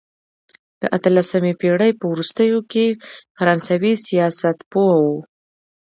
د اتلسمې پېړۍ په وروستیو کې فرانسوي سیاستپوه وو.